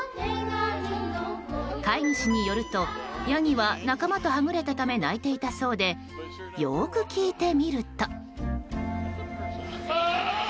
飼い主によるとヤギは仲間とはぐれたため鳴いていたそうでよく聞いてみると。